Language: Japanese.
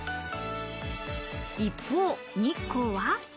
一方、日光は。